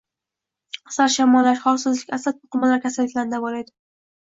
Asal shamollash, holsizlik, asab to‘qimalari kasalliklarini davolaydi.